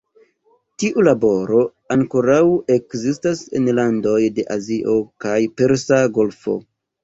Tiu laboro ankoraŭ ekzistas en landoj de Azio kaj Persa Golfo.